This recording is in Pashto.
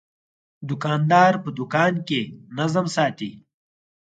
دوکاندار په دوکان کې نظم ساتي.